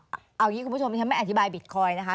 เอาอย่างนี้คุณผู้ชมที่ฉันไม่อธิบายบิตคอยน์นะคะ